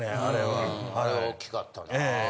あれは大きかったな。